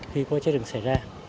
khi có cháy rừng xảy ra